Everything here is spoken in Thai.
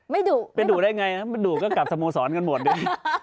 ไม่ดูไปดูได้ไงไปดูก็กลับสโมสรกันหมดเลย